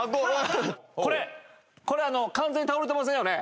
これこれ完全に倒れてませんよね？